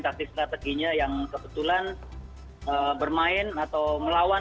taktik strateginya yang kebetulan bermain atau melawan